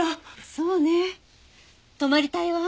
そうね泊まりたいわ。